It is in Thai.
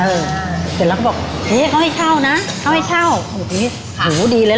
เออเสร็จแล้วก็บอกเอ๊เขาให้เช่านะเขาให้เช่าโหดีเลย